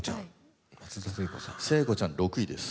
聖子ちゃん６位です。